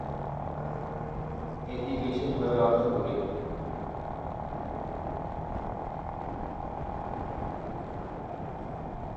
এটি বিশেষভাবে অর্থকরী।